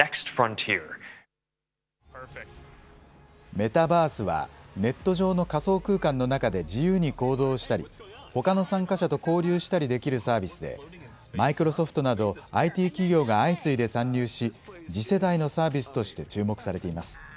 メタバースは、ネット上の仮想空間の中で自由に行動したり、ほかの参加者と交流したりできるサービスで、マイクロソフトなど、ＩＴ企業が相次いで参入し、次世代のサービスとして注目されています。